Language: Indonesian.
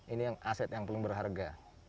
ini aset yang paling berharga